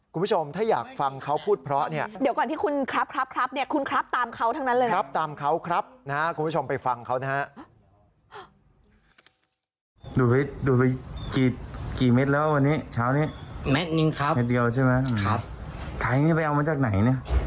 คุณผู้ชมถ้าอยากฟังเขาพูดเพราะเนี่ย